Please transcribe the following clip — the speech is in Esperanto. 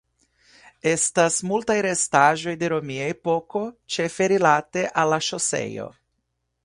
Estas multaj restaĵoj de romia epoko ĉefe rilate al la ŝoseo.